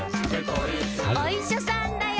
「おいしゃさんだよ」